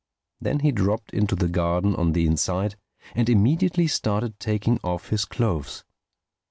Then he dropped into the garden on the inside and immediately started taking off his clothes.